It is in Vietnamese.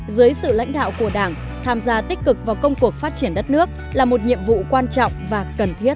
dưới sự lãnh đạo của đảng tham gia tích cực vào công cuộc phát triển đất nước là một nhiệm vụ quan trọng và cần thiết